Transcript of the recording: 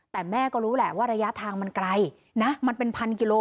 แต่แม่ก็รู้แหละว่าระยะทางมันไกลนะมันเป็นพันกิโล